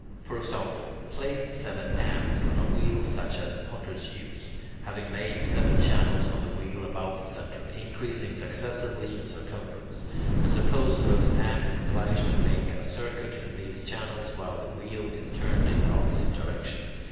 For example, place seven ants on a wheel such as potters use, having made seven channels on the wheel about the centre, increasing successively in circumference; and suppose those ants obliged to make a circuit in these channels while the wheel is turned in the opposite direction.